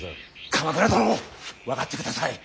鎌倉殿分かってください。